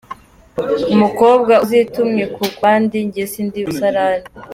Umukobwa : Uzitumwe ku bandi jye si ndi umusarani !.